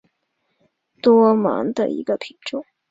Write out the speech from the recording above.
多芒复叶耳蕨为鳞毛蕨科复叶耳蕨属下的一个种。